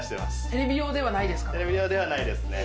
テレビ用ではないですね